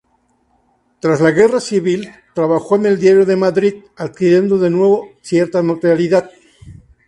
Tras la Guerra Civil, trabajó en el diario "Madrid", adquiriendo de nuevo cierta notoriedad.